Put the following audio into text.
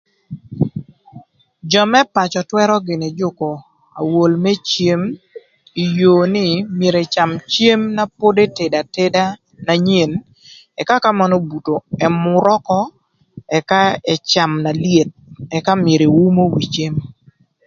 Jö më pacö twërö gïnï jükö awol më cem ï yoo nï myero ëcam cem na pod etedo ateda na nyen ëka ka mën obuto ëmür ökö ëka ëcam na lyeth ëka myero eumo wi cem.